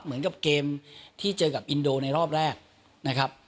เหมือนกับเกมที่เจอกับอินโดในรอบแรกนะครับ